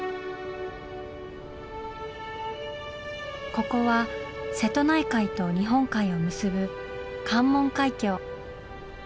ここは瀬戸内海と日本海を結ぶ関門海峡。